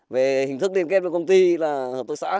về hình thức liên kết với công ty là hợp tác xã